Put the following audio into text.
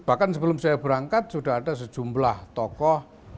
bahkan sebelum saya berangkat sudah ada sejumlah tokoh